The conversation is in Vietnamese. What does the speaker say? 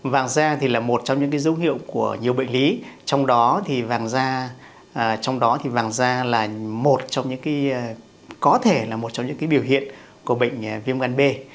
vâng da là một trong những dấu hiệu của nhiều bệnh lý trong đó vàng da có thể là một trong những biểu hiện của bệnh viêm gan b